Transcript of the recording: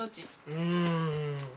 うん。